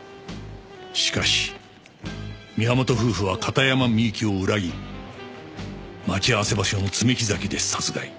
しかし宮本夫婦は片山みゆきを裏切り待ち合わせ場所の爪木崎で殺害。